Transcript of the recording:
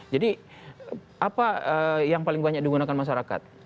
jadi apa yang paling banyak digunakan masyarakat